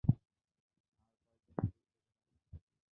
আর কয়েকদিন আগেই তো গেলাম না?